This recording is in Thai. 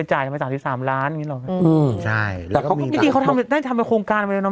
จริงเขาทำโครงการไปเลยเนอะ